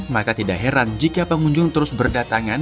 maka tidak heran jika pengunjung terus berdatangan